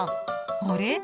あれ？